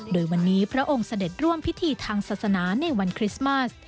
โดยวันนี้พระองค์เสด็จร่วมพิธีทางศาสนาในวันคริสต์มาส